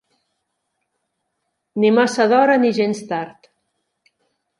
Ni massa d'hora ni gens tard.